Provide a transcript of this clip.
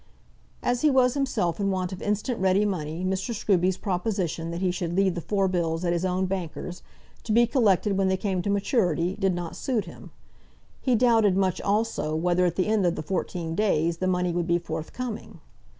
As he was himself in want of instant ready money Mr. Scruby's proposition that he should leave the four bills at his own bankers', to be collected when they came to maturity, did not suit him. He doubted much, also, whether at the end of the fourteen days the money would be forthcoming.